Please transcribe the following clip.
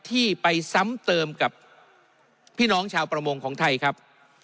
ที่ไปซ้ำเติมกับพี่น้องชาวประมงของไทยครับ